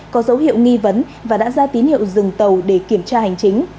có dấu hiệu nghi vấn và đã ra tín hiệu dừng tàu để kiểm tra hành chính